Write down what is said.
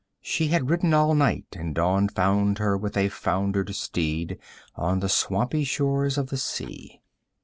She had ridden all night, and dawn found her with a foundered steed on the swampy shores of the sea.